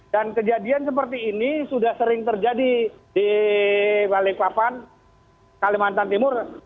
dan kejadian seperti ini sudah sering terjadi di balikpapan kalimantan timur